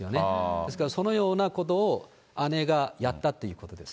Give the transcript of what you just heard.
ですからそのようなことを姉がやったということです。